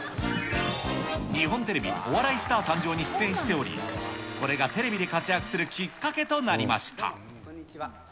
日本テレビ、お笑いスター誕生！に出演しており、これがテレビで活躍するきっどうもこんにちは。